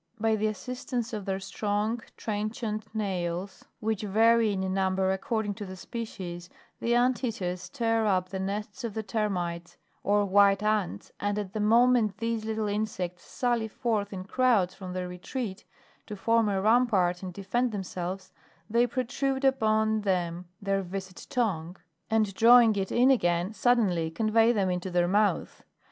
By the assistance of their strong, trenchant nails, which vary in number according to the species, the ant eaters tear up the nests of the Termites, or white ants, and at the moment these little insects sally forth in crowds from their retreat, to form a rampart and defend themselves, they protrude upon them their viscid tongue, and drawing it in again suddenly, convey them into their mouth.